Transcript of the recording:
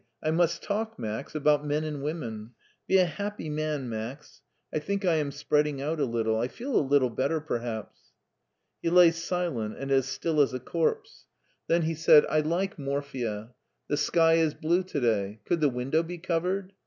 I must talk. Max, about men and women. Be a happy man. Max. I think I am spreading out a little. I feel a littl^ better, perhaps." He lay silent and as still as a corpse. Then V t4 70 MARTIN SCHULER he said, "I like morphia. The sky is blue to day. Could the window be covered?